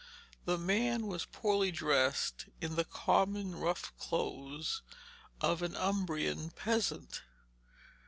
The man was poorly dressed in the common rough clothes of an Umbrian peasant.